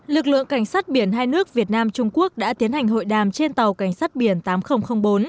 lực lượng cảnh sát biển hai nước việt nam trung quốc đã tiến hành hội đàm trên tàu cảnh sát biển tám nghìn bốn